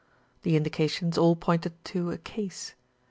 The indica tions all pointed to "a case."